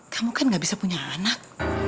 kamu kan gak bisa punya anak